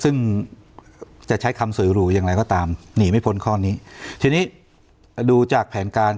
ซึ่งจะใช้คำสวยหรูอย่างไรก็ตามหนีไม่พ้นข้อนี้ทีนี้ดูจากแผนการ